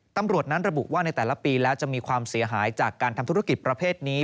ตำรวจนั้นระบุว่าในแต่ละปีแล้วจะมีความเสียหายจากการทำธุรกิจประเภทนี้